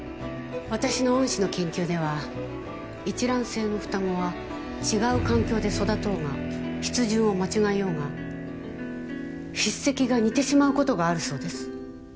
私の恩師の研究では一卵性の双子は違う環境で育とうが筆順を間違えようが筆跡が似てしまう事があるそうです。